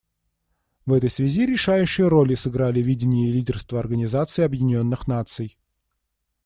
В этой связи решающую роль сыграли видение и лидерство Организации Объединенных Наций.